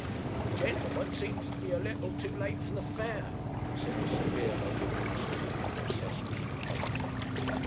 'The gen'leman seems to be a little too late for the fair,' said a severe lodging house keeper from Cecil Street.